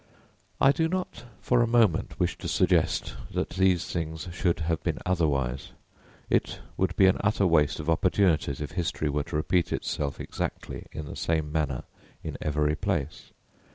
I do not for a moment wish to suggest that these things should have been otherwise. It would be an utter waste of opportunities if history were to repeat itself exactly in the same manner in every place.